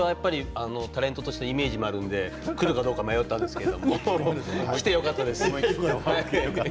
タレントとしてイメージもあるので来るのか迷ったんですけど、来てよかったです。